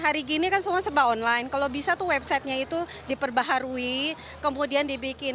hari gini kan semua serba online kalau bisa tuh websitenya itu diperbaharui kemudian dibikin